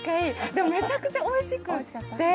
でも、めちゃくちゃおいしくって。